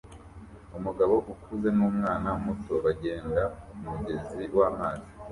Umugabo ukuze numwana muto bagenda kumugezi wamazi